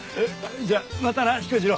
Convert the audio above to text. じゃあまたな彦次郎。